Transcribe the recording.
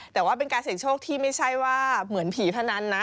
แต่ว่าเป็นการเสี่ยงโชคที่ไม่ใช่ว่าเหมือนผีพนันนะ